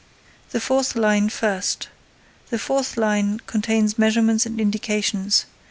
The fourth line first. The fourth line contains measurements and indications.